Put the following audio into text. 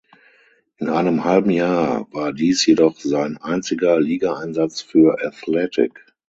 In einem halben Jahr war dies jedoch sein einziger Ligaeinsatz für "Athletic".